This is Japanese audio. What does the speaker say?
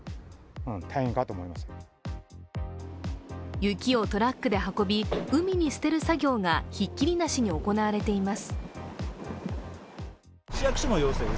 雪をトラックで運び、海に捨てる作業がひっきりなしに行われています。